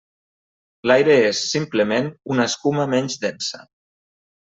L’aire és, simplement, una escuma menys densa.